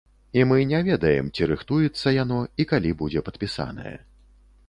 І мы не ведаем, ці рыхтуецца яно і калі будзе падпісанае.